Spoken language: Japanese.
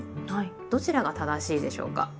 どちらが正しいでしょうか？